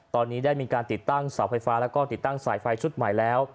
ตอนนี้ได้มีการติดตั้งเสาไฟฟ้าแล้วก็ติดตั้งสายไฟชุดใหม่แล้ว